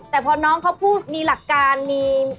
แต่พอน้องเขาพูดมีหลักการมี